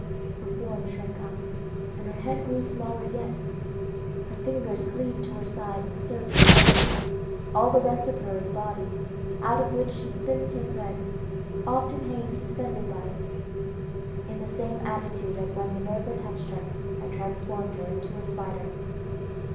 Her form shrank up, and her head grew smaller yet; her fingers cleaved to her side and served for legs. All the rest of her is body, out of which she spins her thread, often hanging suspended by it, in the same attitude as when Minerva touched her and transformed her into a spider.